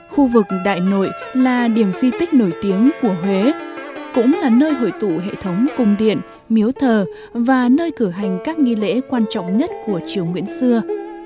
khu vực đại nội là điểm di tích nổi tiếng của huế cũng là nơi hội tụ hệ thống cung điện miếu thờ và nơi cử hành các nghi lễ quan trọng nhất của triều nguyễn xưa